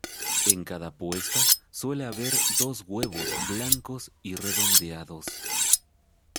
En cada puesta suele haber dos huevos blancos y redondeados.